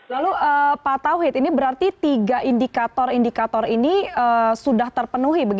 lalu pak tauhid ini berarti tiga indikator indikator ini sudah terpenuhi